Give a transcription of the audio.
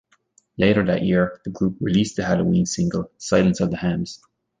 Later that year, the group released the Halloween single Silence of the Hams.